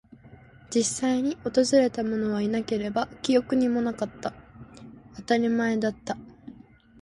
実際に訪れたものはいなければ、記憶にもなかった。当たり前だった。